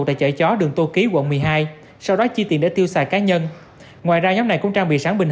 tại chợ chó đường tô ký quận một mươi hai sau đó chi tiền để tiêu xài cá nhân ngoài ra nhóm này cũng trang bị sáu bình